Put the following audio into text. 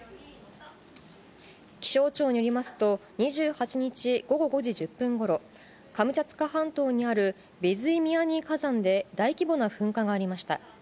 気象庁によりますと、２８日午後５時１０分ごろ、カムチャツカ半島にあるベズィミアニィ火山で、大規模な噴火がありました。